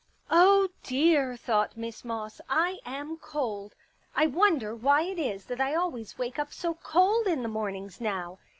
" Oh, dear," thought Miss Moss, " I am cold. I wonder why it is that I always wake up so cold in the mornings now.